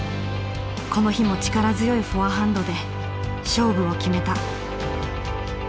この日も力強いフォアハンドで勝負を決めた。